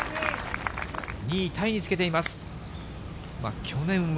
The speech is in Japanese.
２位タイにつけています。